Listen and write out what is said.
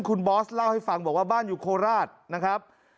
คุณบอสเล่าให้ฟังบอกว่าบ้านอยู่โคราชนะครับ